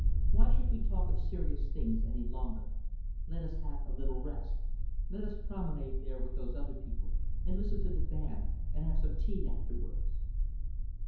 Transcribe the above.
Why should we talk of serious things any longer? Let us have a little rest. Let us promenade there with those other people, and listen to the band, and have some tea afterwards."